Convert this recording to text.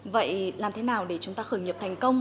vậy làm thế nào để chúng ta khởi nghiệp thành công